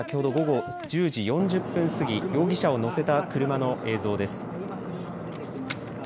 映像は先ほど午後１０時４０分過ぎ容疑者を乗せた車の映像です。